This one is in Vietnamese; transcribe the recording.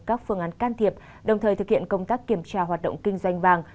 các phương án can thiệp đồng thời thực hiện công tác kiểm tra hoạt động kinh doanh vàng